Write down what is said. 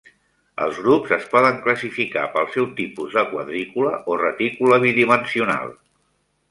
Els grups es poden classificar pel seu tipus de quadrícula o retícula bidimensional.